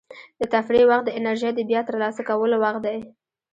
د تفریح وخت د انرژۍ د بیا ترلاسه کولو وخت دی.